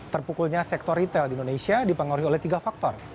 terpukulnya sektor retail di indonesia dipengaruhi oleh tiga faktor